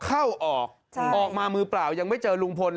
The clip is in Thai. เข้าออกออกมามือเปล่ายังไม่เจอลุงพล